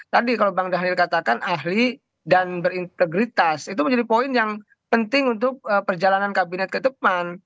tadi kalau bang dhanil katakan ahli dan berintegritas itu menjadi poin yang penting untuk perjalanan kabinet ke depan